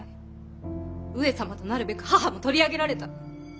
上様となるべく母も取り上げられた！